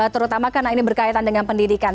terutama karena ini berkaitan dengan pendidikan